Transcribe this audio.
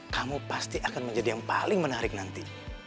kamu pasti akan menjadi yang paling menarik nanti